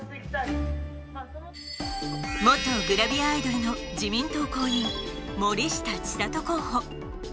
元グラビアアイドルの自民党公認・森下千里候補。